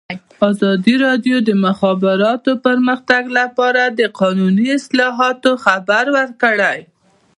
ازادي راډیو د د مخابراتو پرمختګ په اړه د قانوني اصلاحاتو خبر ورکړی.